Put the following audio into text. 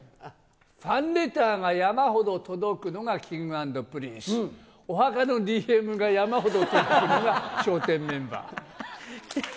ファンレターが山ほど届くのがＫｉｎｇ＆Ｐｒｉｎｃｅ、お墓のＤＭが山ほど届くのが笑点メンバー。